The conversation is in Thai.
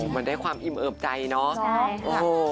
มันได้ความอิ่มเอิบใจเนาะ